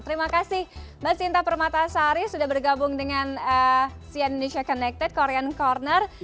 terima kasih mbak sinta permatasari sudah bergabung dengan cn indonesia connected korean corner